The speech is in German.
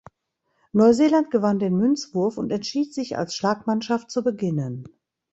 Neuseeland gewann den Münzwurf und entschied sich als Schlagmannschaft zu beginnen.